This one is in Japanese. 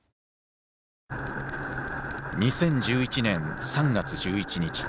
２０１１年３月１１日。